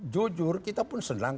jujur kita pun senang